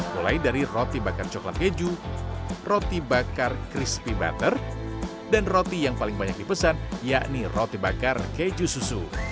mulai dari roti bakar coklat keju roti bakar crispy butter dan roti yang paling banyak dipesan yakni roti bakar keju susu